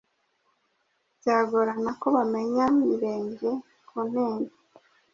byagorana ko bamenya Mirenge ku Ntenyo